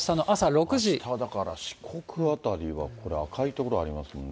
あした、だから四国辺りはこれ、赤い所ありますもんね。